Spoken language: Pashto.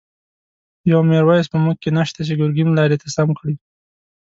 یو«میرویس» په مونږ کی نشته، چه گرگین لاری ته سم کړی